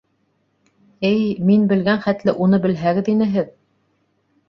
Эй, мин белгән хәтле уны белһәгеҙ ине һеҙ.